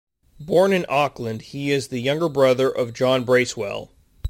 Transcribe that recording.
Born in Auckland, he is the younger brother of John Bracewell.